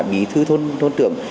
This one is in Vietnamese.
bí thư thôn trưởng